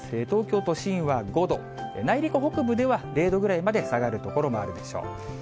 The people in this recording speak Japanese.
東京都心は５度、内陸北部では０度ぐらいまで下がる所もあるでしょう。